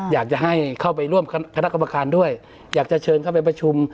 อยากจะให้เข้าไปร่วมคณะกรรมการด้วยอยากจะเชิญเข้าไปประชุม